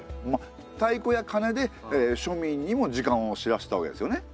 太鼓や鐘で庶民にも時間を知らせたわけですよね。